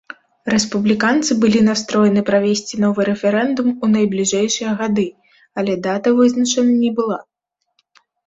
Рэспубліканцы былі настроены правесці новы рэферэндум у найбліжэйшыя гады, але дата вызначана не была.